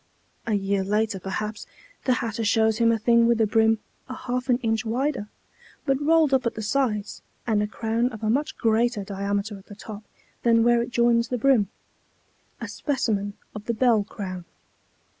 A year later, perhaps, the hatter shows him a thing with a brim a half an inch wider, but rolled up at the sides, and a crown of a much greater diameter at the top than where it joins the brim, a specimen of the bell crown.